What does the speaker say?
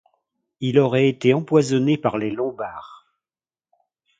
Il aurait été empoisonné par les Lombards.